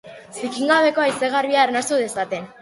Zikin gabeko haize garbia arnastu dezaten.